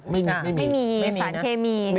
ไม่มีสารเคมี